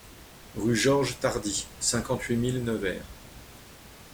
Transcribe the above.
Rue Georges Tardy, cinquante-huit mille Nevers